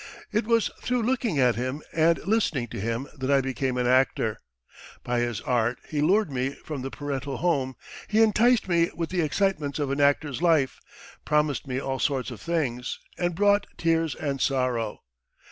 It was through looking at him and listening to him that I became an actor. By his art he lured me from the parental home, he enticed me with the excitements of an actor's life, promised me all sorts of things and brought tears and sorrow.